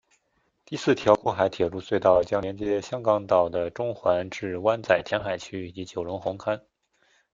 第四条过海铁路隧道将连接香港岛的中环至湾仔填海区及九龙红磡。